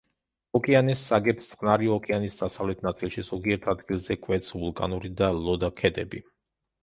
ოკეანის საგებს წყნარი ოკეანის დასავლეთ ნაწილში ზოგიერთ ადგილზე კვეთს ვულკანური და ლოდა ქედები.